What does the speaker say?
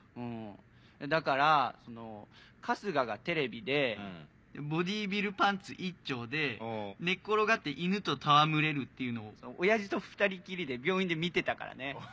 だから春日がテレビでボディービルパンツ一丁で寝っ転がって犬と戯れるっていうのを親父と２人きりで病院で見てたからね。